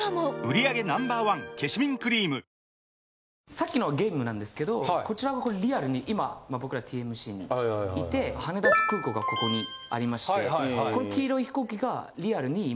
さっきのゲームなんですけどこちらがリアルに今僕らＴＭＣにいて羽田空港がここにありましてこの黄色い飛行機がリアルに今。